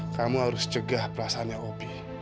kamu harus cegah perasaannya obe